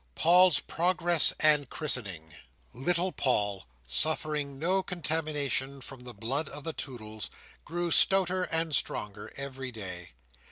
Paul's Progress and Christening Little Paul, suffering no contamination from the blood of the Toodles, grew stouter and stronger every day.